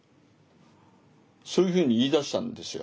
そういうふうに言いだしたんですよ。